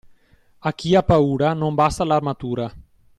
A chi ha paura non basta l'armatura.